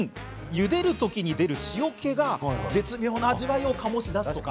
ゆでる時に出る塩けが絶妙な味わいを醸し出すとか。